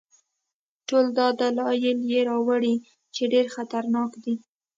ټول دا دلایل یې راوړي چې ډېر خطرناک دی.